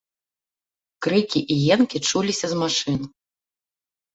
Крыкі і енкі чуліся з машын.